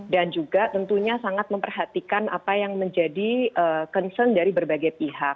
dan juga tentunya sangat memperhatikan apa yang menjadi concern dari berbagai pihak